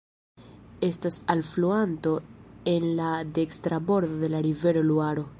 Estas alfluanto en la dekstra bordo de la rivero Luaro.